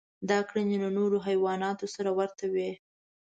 دا کړنې له نورو حیواناتو سره ورته وې.